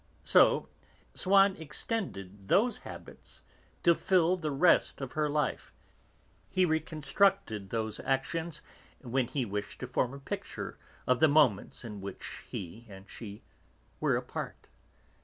So Swann extended those habits to fill the rest of her life, he reconstructed those actions when he wished to form a picture of the moments in which he and she were apart.